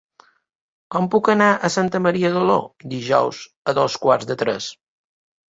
Com puc anar a Santa Maria d'Oló dijous a dos quarts de tres?